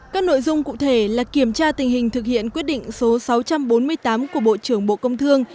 các nội dung cụ thể là kiểm tra tình hình thực hiện quyết định số sáu trăm bốn mươi tám của bộ trưởng bộ công thương